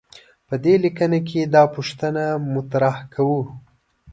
په دې لیکنه کې دا پوښتنه مطرح کوو.